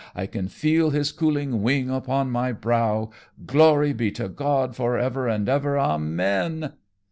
I can feel his cooling wing upon my brow. Glory be to God forever and ever, amen!"